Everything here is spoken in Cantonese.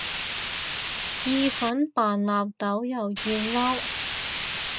意粉擺納豆又要嬲